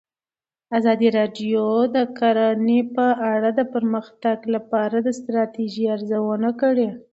ازادي راډیو د کرهنه په اړه د پرمختګ لپاره د ستراتیژۍ ارزونه کړې.